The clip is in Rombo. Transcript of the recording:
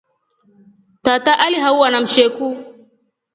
Tata alihauwa na msheku.